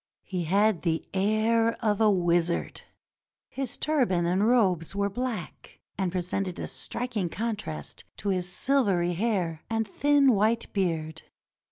He had the air of a wizard. His turban and robes were black, and presented a striking contrast to his silvery hair and thin white beard.